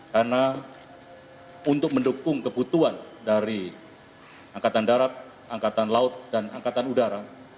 karena untuk mendukung kebutuhan dari angkatan darat angkatan laut dan angkatan udara